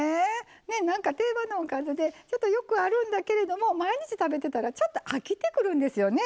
なんか定番のおかずでよくあるんだけども毎日食べてたら飽きてくるんですよね。